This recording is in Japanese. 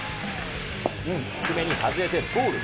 低めに外れてボール。